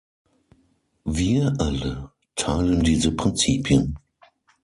Wir alle teilen diese Prinzipien.